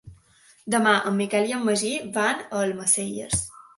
Demà en Miquel i en Magí van a Almacelles.